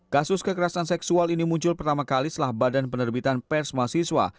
kasus kekerasan seksual ini muncul pertama kali setelah badan penerbitan pers mahasiswa